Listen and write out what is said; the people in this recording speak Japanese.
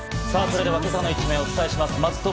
それでは今朝の一面をお伝えします。